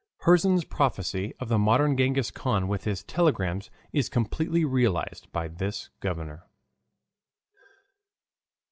Herzen's prophecy of the modern Ghenghis Khan with his telegrams is completely realized by this governor.